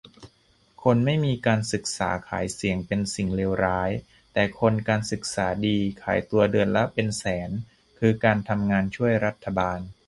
"คนไม่มีการศึกษาขายเสียงเป็นสิ่งเลวร้าย แต่คนการศึกษาดีขายตัวเดือนละเป็นแสนคือการทำงานช่วยรัฐบาล"